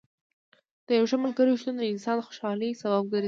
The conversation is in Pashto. د یو ښه ملګري شتون د انسان د خوشحالۍ سبب ګرځي.